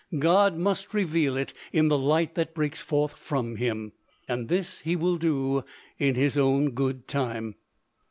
God must reveal it in the light that breaks forth from him. And this he will do in his own good time.